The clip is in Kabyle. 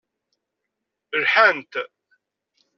Lḥant.